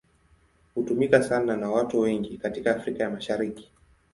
Hutumika sana na watu wengi katika Afrika ya Mashariki.